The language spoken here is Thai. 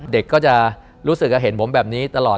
เด็กก็จะรู้สึกเห็นผมแบบนี้ตลอด